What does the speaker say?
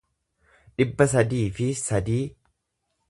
dhibba sadii fi sadii